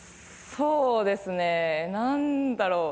そうですね、なんだろう？